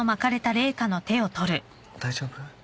大丈夫？